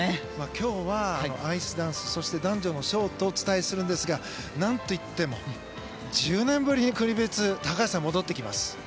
今日はアイスダンスそして男女のショートをお伝えするんですが何といっても、１０年ぶりに国別対抗戦に高橋さんが戻ってきます。